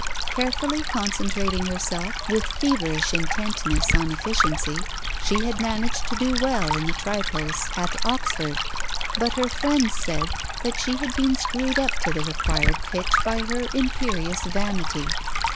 Carefully concentrating herself, with feverish intentness on efficiency, she had managed to do well in the tripos at Oxford, but her friends said that she had been screwed up to the required pitch by her imperious vanity.